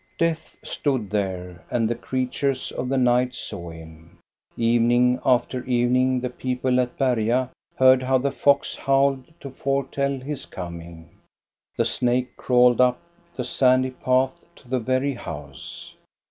Death stood there, and the creatures of the night saw him. Evening after evening the people at Berga heard how the fox howled to foretell his coming. The snake crawled up the sandy path to the very house.